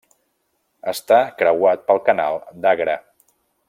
Està creuat pel canal d'Agra.